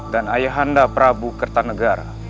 dan ayahanda prabu kerta negara